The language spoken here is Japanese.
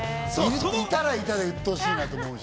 いたらいたで、うっとおしいなと思うし。